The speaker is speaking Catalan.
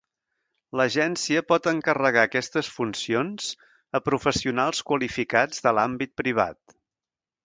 L'Agència pot encarregar aquestes funcions a professionals qualificats de l'àmbit privat.